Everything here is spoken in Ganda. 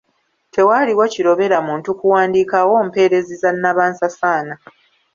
Tewaaliwo kirobera muntu kuwandiikawo mpeerezi za nnabansasaana.